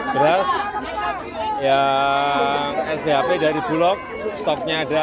beras yang sphp dari bulog stoknya ada